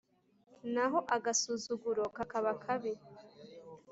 naho agasuzuguro kakaba kabi